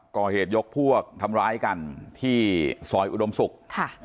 ก่อเหตุยกพวกทำร้ายกันที่ซอยอุดมศุกร์